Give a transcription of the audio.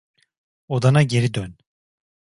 Odana geri dön.